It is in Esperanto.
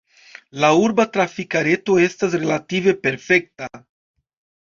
La urba trafika reto estas relative perfekta.